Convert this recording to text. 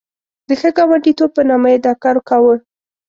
د ښه ګاونډیتوب په نامه یې دا کار کاوه.